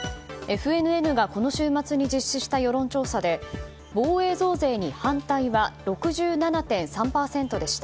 ＦＮＮがこの週末に実施した世論調査で防衛増税に反対は６７．３％でした。